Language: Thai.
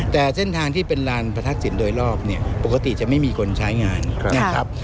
แต่เส้นทางที่เป็นลานประทักษิณโดยรอบเนี่ยปกติจะไม่มีคนใช้งานนะครับ